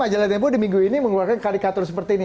majalah tempo di minggu ini mengeluarkan kadikator seperti ini